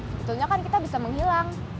sebetulnya kan kita bisa menghilang